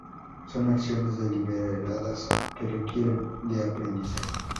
Son acciones deliberadas que requieren de aprendizaje.